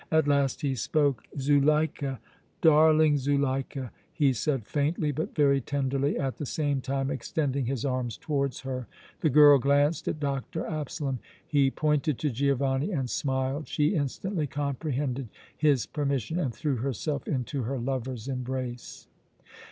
At last he spoke. "Zuleika, darling Zuleika!" he said, faintly, but very tenderly, at the same time extending his arms towards her. The girl glanced at Dr. Absalom. He pointed to Giovanni and smiled. She instantly comprehended his permission and threw herself into her lover's embrace.